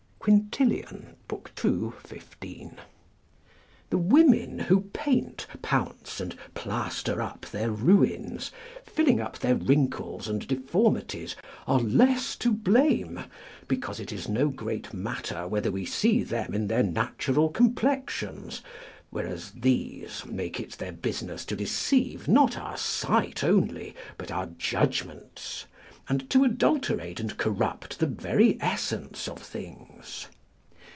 [Quintilian, ii. 15.] The women who paint, pounce, and plaster up their ruins, filling up their wrinkles and deformities, are less to blame, because it is no great matter whether we see them in their natural complexions; whereas these make it their business to deceive not our sight only but our judgments, and to adulterate and corrupt the very essence of things.